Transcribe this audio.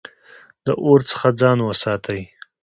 د اور څخه ځان وساتئ